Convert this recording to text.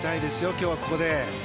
今日はここで。